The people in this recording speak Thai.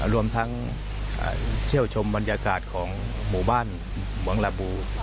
รวมทั้งเชี่ยวชมบรรยากาศของหมู่บ้านหวังระบู